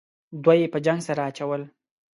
دوه یې په جنگ سره اچول.